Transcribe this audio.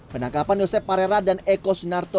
penangkapan yosep parera dan eko sunarto